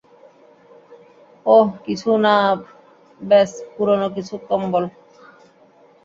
ওহ, কিছু না ব্যস পুরোনো কিছু কম্বল।